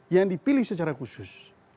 yang dipilih secara khusus